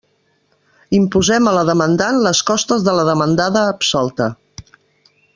Imposem a la demandant les costes de la demandada absolta.